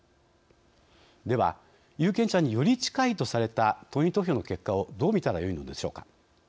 では有権者により近いとされた党員投票の結果をどう見たらよいのでしょうか。